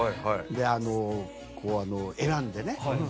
であの選んでね。